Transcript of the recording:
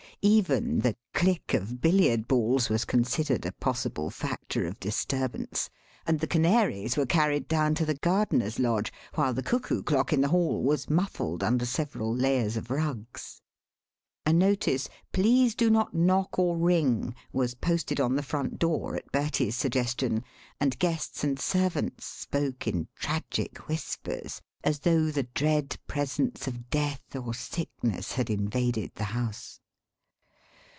Even the click of billiard balls was considered a possible factor of disturbance, and the canaries were carried down to the gardener's lodge, while the cuckoo clock in the hall was muffled under several layers of rugs. A notice, "Please do not Knock or Ring," was posted on the front door at Bertie's suggestion, and guests and servants spoke in tragic whispers as though the dread presence of death or sickness had invaded the house.